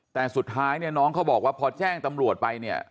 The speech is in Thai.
แต่สุดท้ายเนี่ยน้องเขาบอกว่าพอแจ้งตำรวจไปเนี่ย